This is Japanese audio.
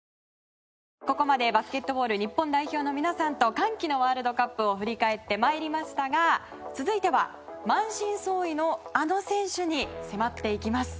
ここまでバスケットボール日本代表の皆さんと歓喜のワールドカップを振り返ってまいりましたが続いては満身創痍のあの選手に迫っていきます。